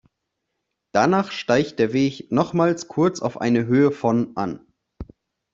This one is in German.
Danach steigt der Weg nochmals kurz auf eine Höhe von an.